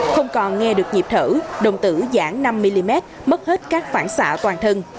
không còn nghe được nhịp thở đồng tử giãn năm mm mất hết các phản xạ toàn thân